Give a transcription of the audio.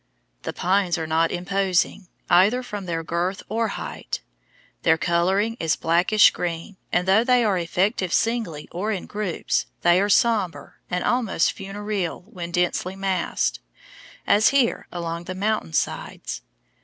The pines are not imposing, either from their girth or height. Their coloring is blackish green, and though they are effective singly or in groups, they are somber and almost funereal when densely massed, as here, along the mountain sides.